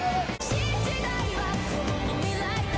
「新時代はこの未来だ」